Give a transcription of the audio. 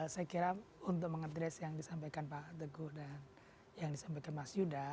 saya kira untuk mengadres yang disampaikan pak teguh dan yang disampaikan mas yuda